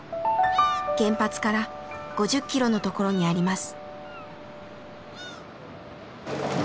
原発から５０キロのところにあります。